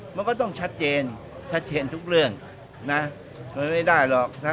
มันก็ต้องชัดเจนชัดเจนทุกเรื่องนะมันไม่ได้หรอกนะ